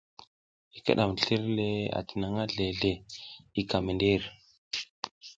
I kiɗam slir le atinangʼha zle zle i ka mi ndir.